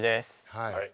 はい。